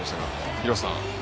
廣瀬さん。